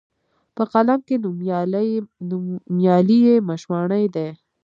په قلم کښي نومیالي یې مشواڼي دي